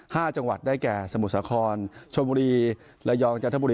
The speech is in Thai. ห้าจังหวัดได้แก่สมุสาขรชนมุรีระยองจังห์ธบุรี